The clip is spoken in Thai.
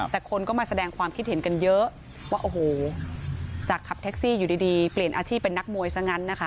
แต่คนก็มาแสดงความคิดเห็นกันเยอะว่าโอ้โหจากขับแท็กซี่อยู่ดีเปลี่ยนอาชีพเป็นนักมวยซะงั้นนะคะ